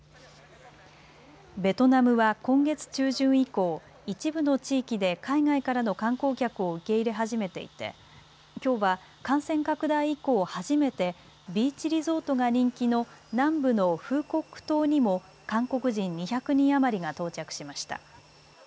ベトナムは今月中旬以降、一部の地域で海外からの観光客を受け入れ始めていてきょうは感染拡大以降、初めてビーチリゾートが人気の南部のフーコック島にも韓国人２００人余りが到着しました。